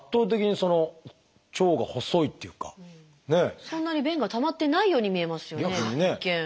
そんなに便がたまってないように見えますよね一見。